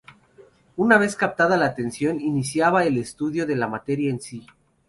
Una vez captada la atención, iniciaba el estudio de la materia en sí.